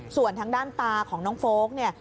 ส่วนทางด้านตาของน้องโฟลกเนี่ย